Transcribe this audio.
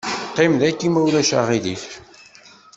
Qqim daki ma ulac aɣilif.